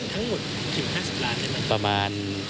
ทั้งหมดถึงห้าสิบล้านได้มั้ย